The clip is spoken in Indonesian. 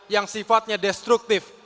yang sifatnya destruktif